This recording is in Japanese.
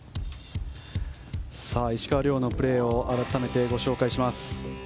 石川遼のプレーを改めてご紹介します。